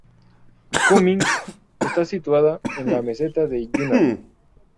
Kunming está situada en la meseta de Yunnan.